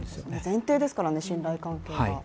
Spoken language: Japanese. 前提ですからね、信頼関係は。